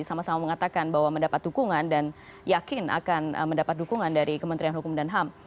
sama sama mengatakan bahwa mendapat dukungan dan yakin akan mendapat dukungan dari kementerian hukum dan ham